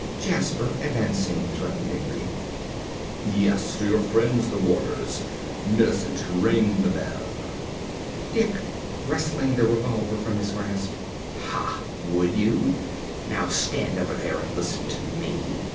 ~Jasper~ (advancing threateningly). Yes, to your friends, the warders. Millicent, ring the bell. ~Dick~ (wresting the revolver from his grasp). Ha, would you? Now stand over there and listen to me.